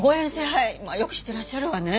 まあよく知ってらっしゃるわね。